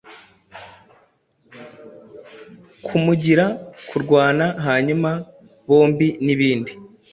kumugira kurwana hanyuma bombinibindi